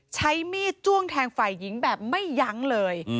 ใช้มีดจ้วงแทงฝ่ายหญิงแบบไม่ยั้งเลย